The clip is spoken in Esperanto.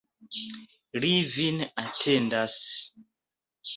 Li vin atendas.